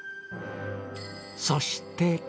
そして。